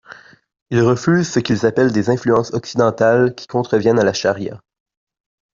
Ils refusent ce qu'ils appellent des influences occidentales qui contreviennent à la charia.